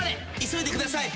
急いでください。